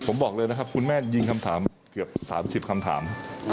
ผมบอกเลยนะครับคุณแม่ยิงคำถามเกือบ๓๐คำถาม